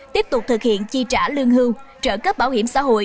tiếp tục thực hiện chi trả lương hưu trợ cấp bảo hiểm xã hội